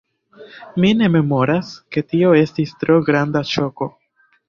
Mi ne memoras, ke tio estis tro granda ŝoko.